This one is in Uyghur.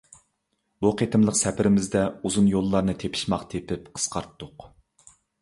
بۇ قېتىملىق سەپىرىمىزدە ئۇزۇن يوللارنى تېپىشماق تېپىپ قىسقارتتۇق.